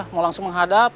mau langsung menghadap